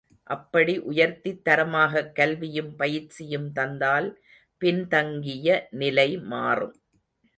அப்படி உயர்த்தித் தரமாகக் கல்வியும் பயிற்சியும் தந்தால் பின்தங்கிய நிலை மாறும்.